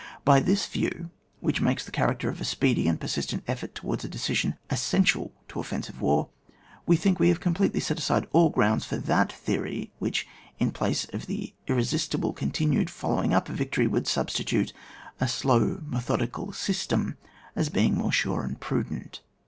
By this yiew, which makes the cha racter of a speedy and persistent effort towards a decision essential to offensive war, we think we have completely set aside all groimds for that theory which in place of the irresistible continued following up of victory, would substitute a slow methodical system as being more sure and prudent.